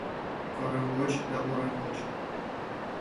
Корем гоч да урем гоч;